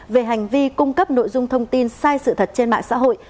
về hành vi cung cấp nội dung thông tin sai sự thật trên mạng xã hội